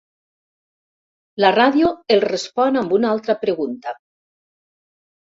La ràdio el respon amb una altra pregunta.